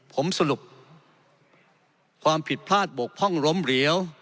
ผมสรุปความผิดพลาดบกพร่องล้มเหลว